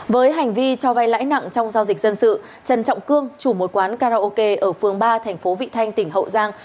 với hành vi cho vay lãi nặng trong giao dịch dân sự trần trọng cương chủ một quán karaoke ở phường ba thành phố vị thanh tỉnh hậu giang